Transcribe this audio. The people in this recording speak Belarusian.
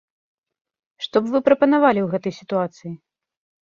Што б вы прапанавалі ў гэтай сітуацыі?